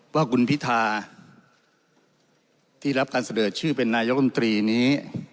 ว่าคุณพิธาที่รับการเสนอชื่อเป็นนายกรรมตรีนี้